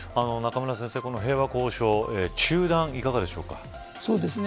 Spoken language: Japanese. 中村先生、この平和交渉中断いかがしょうか。